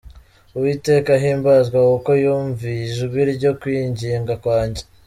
Uwiteka ahimbazwe, Kuko yumviye ijwi ryo kwinginga kwanjye.